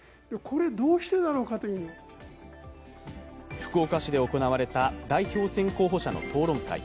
福岡市で行われた代表選候補者の討論会。